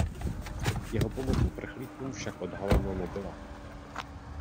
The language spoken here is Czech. Jeho pomoc uprchlíkům však odhalena nebyla.